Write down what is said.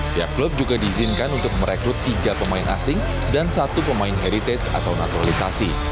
tiap klub juga diizinkan untuk merekrut tiga pemain asing dan satu pemain heritage atau naturalisasi